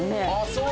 そう